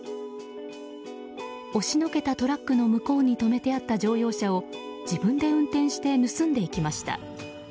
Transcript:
押しのけたトラックの向こうに止めてあった乗用車を自分で運転して盗んでいきました。